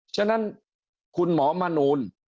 ฉะนั้นคุณหมอมนูล